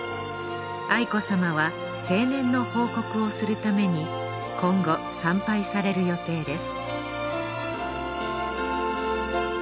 愛子さまは成年の報告をするために今後参拝される予定です